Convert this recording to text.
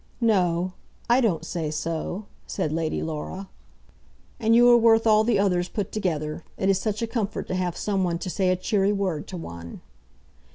"No; I don't say so," said Lady Laura. "And you are worth all the others put together. It is such a comfort to have some one to say a cheery word to one."